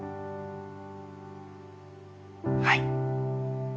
はい！